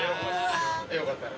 よかったら。